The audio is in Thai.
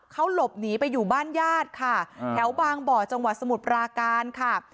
เขาหลบหนีไปอยู่บ้านญาติค่ะแถวบางบ่อจังหวัดสมุทรปราการค่ะ